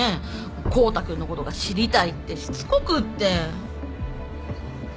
康太君のことが知りたいってしつこくって。